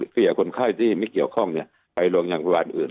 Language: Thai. เกี่ยวกับคนไข้ที่ไม่เกี่ยวข้องเนี่ยไปโรงยังโรงพยาบาลอื่น